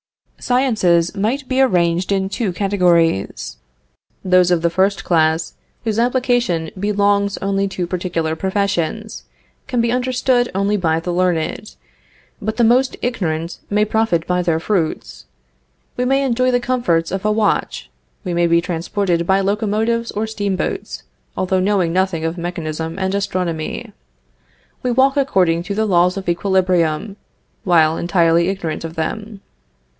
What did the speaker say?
Sciences might be arranged in two categories. Those of the first class whose application belongs only to particular professions, can be understood only by the learned; but the most ignorant may profit by their fruits. We may enjoy the comforts of a watch; we may be transported by locomotives or steamboats, although knowing nothing of mechanism and astronomy. We walk according to the laws of equilibrium, while entirely ignorant of them.